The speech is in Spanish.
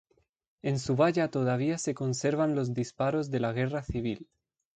En su valla todavía se conservan los disparos de la Guerra Civil.